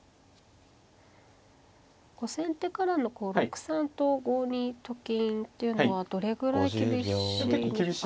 先手からの６三と５二と金っていうのはどれぐらい厳しいですか。